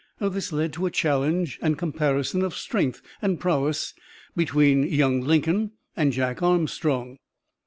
This led to a challenge and comparison of strength and prowess between young Lincoln and Jack Armstrong.